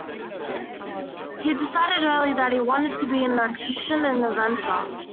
He decided early that he wanted to be an electrician and inventor.